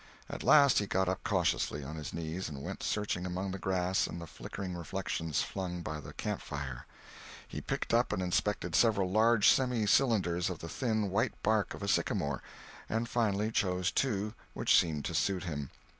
At last he got up cautiously, on his knees, and went searching among the grass and the flickering reflections flung by the campfire. He picked up and inspected several large semi cylinders of the thin white bark of a sycamore, and finally chose two which seemed to suit him.